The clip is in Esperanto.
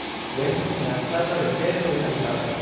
Ĝi estas minacata de perdo de habitato.